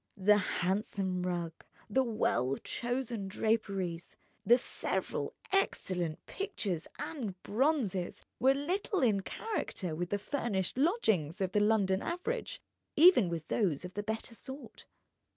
The handsome rug, the well chosen draperies, the several excellent pictures and bronzes, were little in character with the furnished lodgings of the London average, even with those of the better sort.